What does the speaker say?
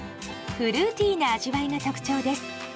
フルーティーな味わいが特徴です。